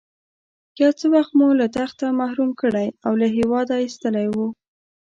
یو څه وخت مو له تخته محروم کړی او له هېواده ایستلی وو.